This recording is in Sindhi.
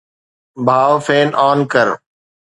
ڀاءُ، فين آن ڪر